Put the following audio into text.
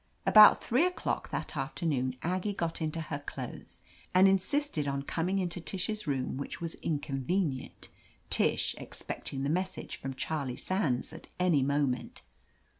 About three o'clock that afternoon Aggie got into her clothes and insisted on coming into Tish's room, which was inconvenient, Tish expecting the message from Charlie Sands at any moment.